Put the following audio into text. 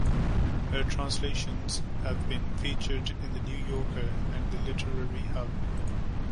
Her translations have been featured in The New Yorker and Literary Hub.